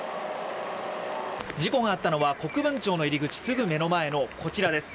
事故があったのは国分町の入り口すぐ目の前のこちらです。